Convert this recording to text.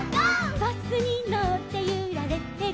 「バスにのってゆられてる」